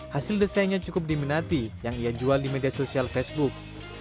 hasil desainnya cukup diminati yang ia jual di media sosial facebook